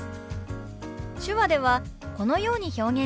手話ではこのように表現します。